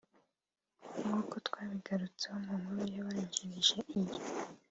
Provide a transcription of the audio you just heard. nk’uko twabigarutseho mu inkuru yabanjirije iyi